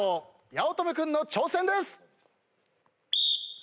八乙女君の挑戦です！